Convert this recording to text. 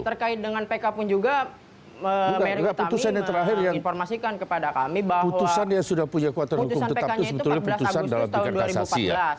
terkait dengan pk pun juga mary utami menginformasikan kepada kami bahwa putusan yang sudah punya kuatan hukum tetap itu sebetulnya putusan dalam tiga kasasi